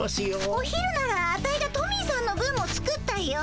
お昼ならアタイがトミーさんの分も作ったよ。